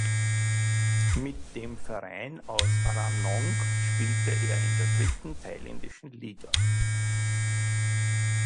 Mit dem Verein aus Ranong spielte er in der dritten thailändischen Liga.